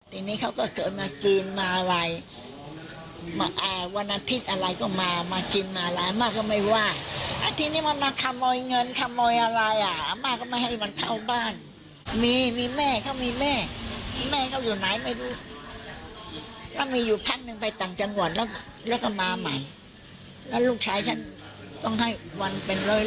แล้วก็มาใหม่แล้วลูกชายฉันต้องให้วันเป็นร้อย